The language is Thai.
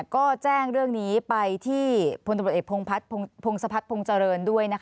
ก็แจ้งเรื่องนี้ไปที่พตเพงพัทพงศพัทพงศ์เจริญด้วย